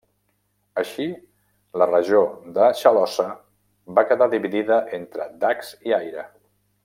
Així la regió de Chalossa va quedar dividida entre Dacs i Aire.